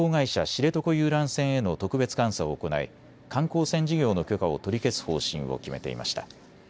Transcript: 知床遊覧船への特別監査を行い観光船事業の許可を取り消す方針を決めていました。